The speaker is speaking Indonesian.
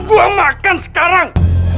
gue makan sekarang